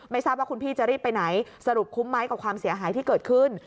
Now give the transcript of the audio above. ทราบว่าคุณพี่จะรีบไปไหนสรุปคุ้มไหมกับความเสียหายที่เกิดขึ้น